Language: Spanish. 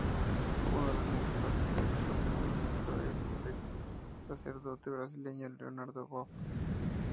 Uno de los principales teóricos del movimiento es el ex sacerdote brasileño Leonardo Boff.